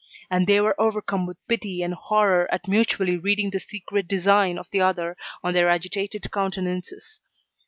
And they were overcome with pity and horror at mutually reading the secret design of the other on their agitated countenances.